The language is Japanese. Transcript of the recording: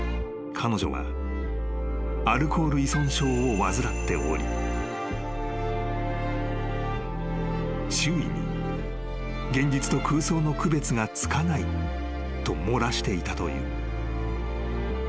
［彼女はアルコール依存症を患っており周囲に現実と空想の区別がつかないと漏らしていたという］